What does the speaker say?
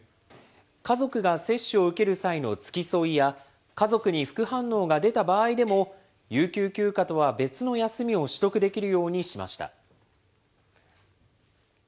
家族が接種を受ける際の付き添いや、家族に副反応が出た場合でも、有給休暇とは別の休みを取得できるようにしました。